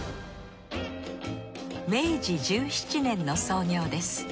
明治１７年の創業です